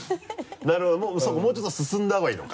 なるほどそうかもうちょっと進んだほうがいいのか。